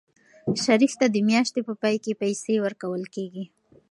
شریف ته د میاشتې په پای کې پیسې ورکول کېږي.